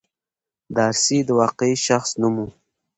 دارسي د واقعي شخص نوم و.